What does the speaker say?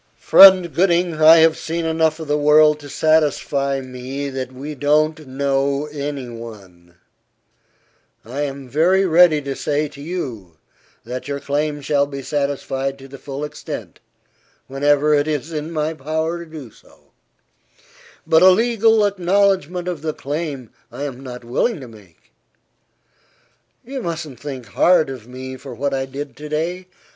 "Friend Gooding, I have seen enough of the world to satisfy me that we don't know any one. I am very ready to say to you, that your claim shall be satisfied to the full extent, whenever it is in my power to do so; but a legal acknowledgment of the claim I am not willing to make. You mustn't think hard of me for what I did to day.